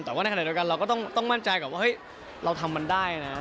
แต่ว่าในขณะเดียวกันเราก็ต้องมั่นใจกับว่าเฮ้ยเราทำมันได้นะ